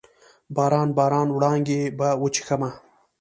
باران، باران وړانګې به وچیښمه